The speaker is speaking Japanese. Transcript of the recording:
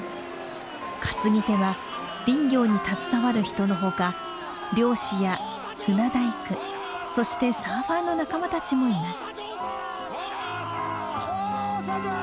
担ぎ手は林業に携わる人のほか漁師や船大工そしてサーファーの仲間たちもいます。